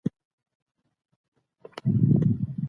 آس په پوره ډاډ سره د خپل مېړه په لور سر وښوراوه.